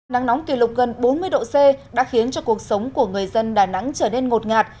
nắng nóng kỷ lục gần bốn mươi độ c đã khiến cho cuộc sống của người dân đà nẵng trở nên ngột ngạt